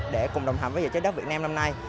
để cùng đồng hành với giải trái đất việt nam năm nay